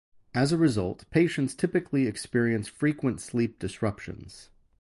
As a result, patients typically experience frequent sleep disruptions.